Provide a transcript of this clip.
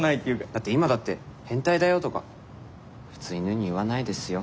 だって今だって「変態だよ」とか普通犬に言わないですよ。